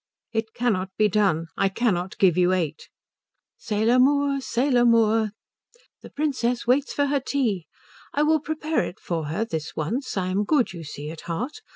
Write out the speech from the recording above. "It cannot be done. I cannot give you eight." "C'est l'amour, c'est l'amour.... The Princess waits for her tea. I will prepare it for her this once. I am good, you see, at heart.